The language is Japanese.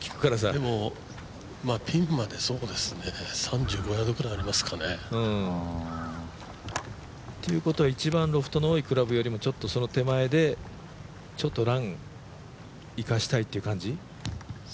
でも、ピンまで３５ヤードぐらいありますかね。ということは一番ロフトの多いクラブよりも、ちょっとその手前でちょっとラン生かしたいって感じ？